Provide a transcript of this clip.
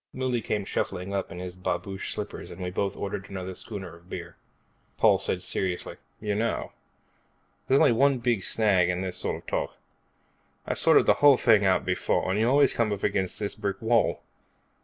Mouley came shuffling up in his babouche slippers and we both ordered another schooner of beer. Paul said seriously, "You know, there's only one big snag in this sort of talk. I've sorted the whole thing out before, and you always come up against this brick wall.